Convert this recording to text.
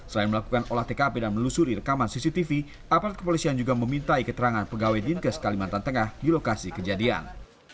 selain melakukan olah tkp dan melusuri rekaman cctv aparat kepolisian juga memintai keterangan pegawai dinkes kalimantan tengah di lokasi kejadian